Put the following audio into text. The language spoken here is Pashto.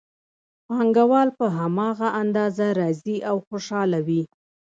پانګوال په هماغه اندازه راضي او خوشحاله وي